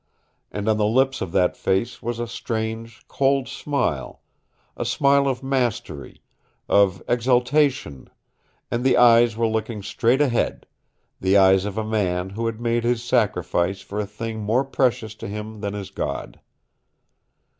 And on the lips of that face was a strange, cold smile, a smile of mastery, of exaltation, and the eyes were looking straight ahead the eyes of a man who had made his sacrifice for a thing more precious to him than his God.